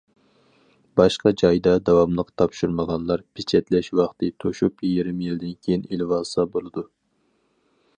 باشقا جايدا داۋاملىق تاپشۇرمىغانلار پېچەتلەش ۋاقتى توشۇپ يېرىم يىلدىن كېيىن ئېلىۋالسا بولىدۇ.